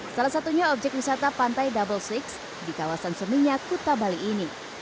salah satunya objek wisata pantai double enam di kawasan seminyak kuta bali ini